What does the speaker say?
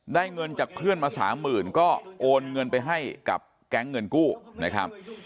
เงินจากเพื่อนมาสามหมื่นก็โอนเงินไปให้กับแก๊งเงินกู้นะครับ